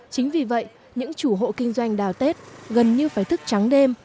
chính vì vậy những chủ hộ kinh doanh đào tết gần như phải thức trắng đêm